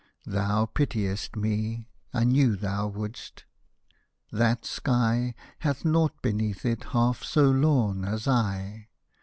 — Thou pitiest me — I knew thou would'st — that sky Hath nought beneath it half so lorn as I.